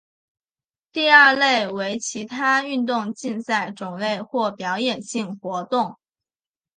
第二类为其他运动竞赛种类或表演性活动。